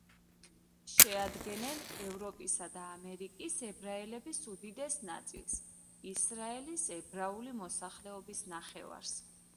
შეადგენენ ევროპისა და ამერიკის ებრაელობის უდიდეს ნაწილს, ისრაელის ებრაული მოსახლეობის ნახევარს.